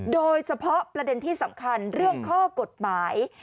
โดยเฉพาะประเด็นที่สำคัญเรื่องข้อกฎหมาย